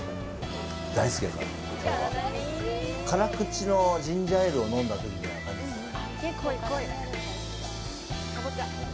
辛口のジンジャーエールを飲んだときみたいな感じですよね。